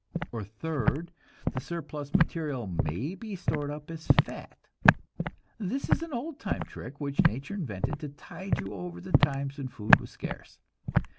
Or third, the surplus material may be stored up as fat. This is an old time trick which nature invented to tide you over the times when food was scarce.